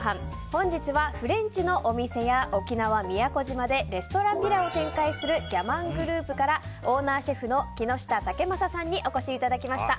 本日はフレンチのお店や沖縄・宮古島でレストランヴィラを展開するギャマングループからオーナーシェフの木下威征さんにお越しいただきました。